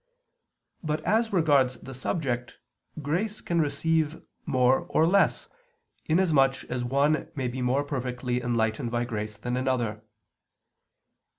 But as regards the subject, grace can receive more or less, inasmuch as one may be more perfectly enlightened by grace than another.